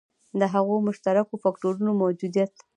د هغو مشترکو فکټورونو موجودیت.